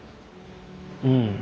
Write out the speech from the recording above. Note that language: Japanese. うん。